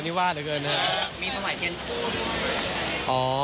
หวัดเลยเกินนะฮะ